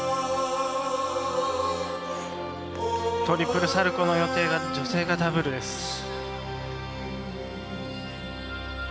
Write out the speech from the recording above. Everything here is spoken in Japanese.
トリプルサルコーの予定が女性がダブルです。